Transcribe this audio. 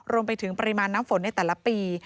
รวมไปถึงปริมาณน้ำฝนในแต่ละปี